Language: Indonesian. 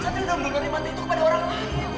sadria daun daun normalnya itu kepada orang lain